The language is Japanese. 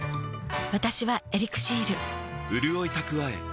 私は「エリクシール」